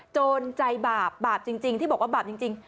โจรใจบาปบาปจริงที่บอกว่าบาปจริง